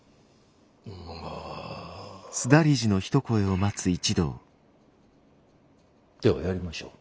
まあではやりましょう。